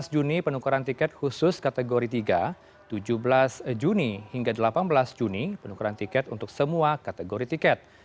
tujuh belas juni penukaran tiket khusus kategori tiga tujuh belas juni hingga delapan belas juni penukaran tiket untuk semua kategori tiket